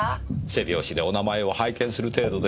背表紙でお名前を拝見する程度ですが。